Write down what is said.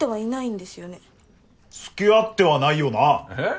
付き合ってはないよな！